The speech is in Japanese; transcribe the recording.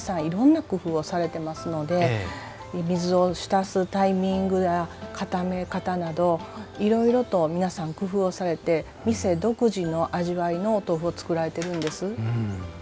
いろんな工夫をされてますので水を浸すタイミングや固め方などいろいろと皆さん工夫をされて店独自の味わいのお豆腐を作られてるんです。